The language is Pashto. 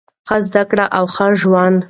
ښه زده کړه او ښه ژوند.